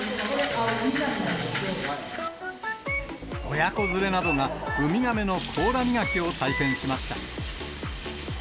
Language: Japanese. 親子連れなどがウミガメの甲羅磨きを体験しました。